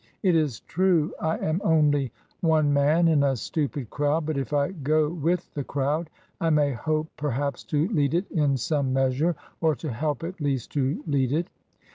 It is true I am only one man in a stupid crowd; but if I go with that crowd I may hope per haps to lead it in some measure, or to help at least to lead it.